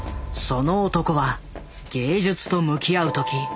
その男は芸術と向き合う時